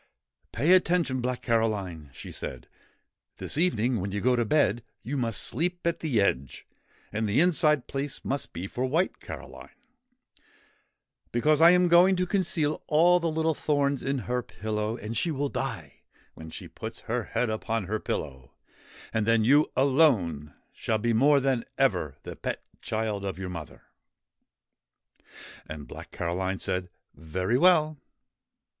' Pay attention, Black Caroline,' she said ;' this evening when you go to bed you must sleep at the edge, and the inside place must be for White Caroline ; because I am going to conceal all the little thorns in her pillow ; and she will die when she puts her head upon her pillow, and then you, alone, shall be more than ever the pet child of your mother 1 ' And Black Caroline said, 'Very well!'